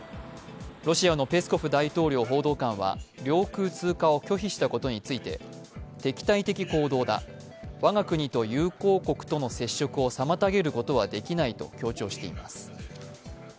ロシアのペスコフ大統領報道官は領空通過を拒否したことについて敵対的行動だ、我が国と友好国との接触を妨げることはできないと強調しています。